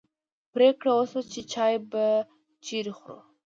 پرېکړه وشوه چې چای به چیرې خورو.